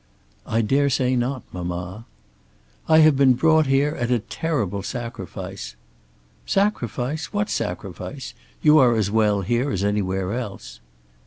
"I dare say not, mamma." "I have been brought here, at a terrible sacrifice " "Sacrifice! What sacrifice? You are as well here as anywhere else."